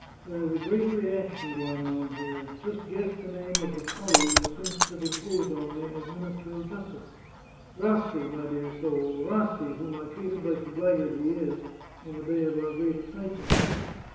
There is a great reaction going on here. Just guess the name of the colleague the prince has imposed on me as Minister of Justice. Rassi, my dear soul, Rassi, whom I treated like the blackguard he is, on the day of our great excitements.